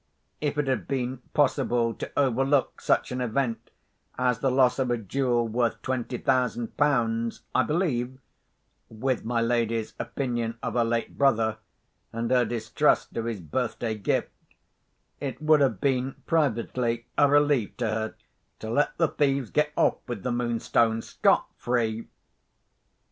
If it had been possible to overlook such an event as the loss of a jewel worth twenty thousand pounds, I believe—with my lady's opinion of her late brother, and her distrust of his birthday gift—it would have been privately a relief to her to let the thieves get off with the Moonstone scot free.